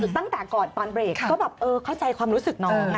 ตั้งแต่ก่อนตอนเบรกก็แบบเออเข้าใจความรู้สึกน้อง